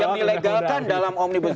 yang dilegalkan dalam omnibus